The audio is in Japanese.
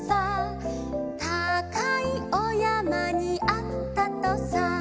「たかいおやまにあったとさ」